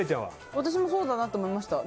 私もそうだなと思いました。